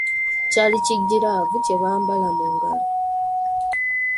Kyali kigiraavu kye bambala mu ngalo.